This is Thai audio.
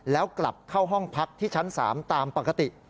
แล้วกลับเข้าห้องพักที่ชั้น๓ตามปกติ